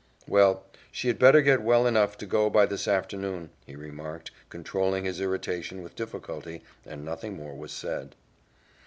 "Well, she had better get well enough to go by this afternoon," he remarked, controlling his irritation with difficulty, and nothing more was said.